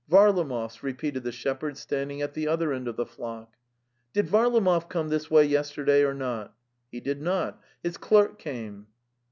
'""Varlamov's,"' repeated the shepherd standing act the other end of the flock. "Did Varlamov come this way yesterday or not?" *" He did not: his clerk came.